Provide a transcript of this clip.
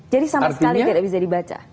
jadi sama sekali tidak bisa dibaca